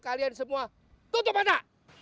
kalian semua tutup mata